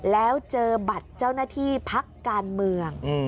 แล้วเจอบัตรเจ้าหน้าที่พักการเมือง